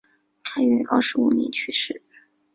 开元二十五年去世。